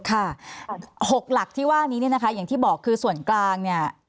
ค่ะหกหลักที่ว่านี้อย่างที่บอกคือส่วนกลาง